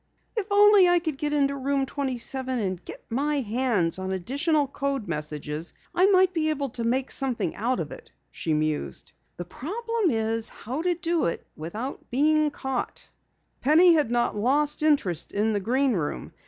"If only I could get into Room 27 and get my hands on additional code messages I might be able to make something out of it," she mused. "The problem is how to do it without being caught." Penny had not lost interest in the Green Room.